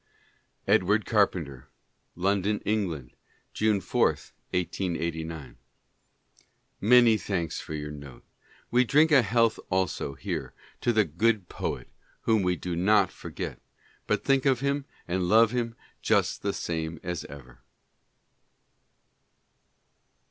Edward Carpenter: London, England, June 4, 1S89. Many thanks for your note. ... We drink a health also here to the Good Poet, whom we do not forget — but think of him and love him just the same as ever.